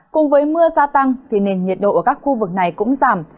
cùng với mưa gia tăng thì nền nhiệt độ ở các khu vực này cũng giảm